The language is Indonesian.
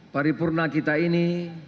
paripurna kita ini